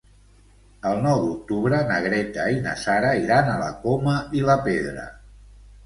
El nou d'octubre na Greta i na Sara iran a la Coma i la Pedra.